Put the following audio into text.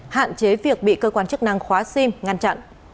hạn chế việc bị cơ quan chức năng khóa sim ngăn chặn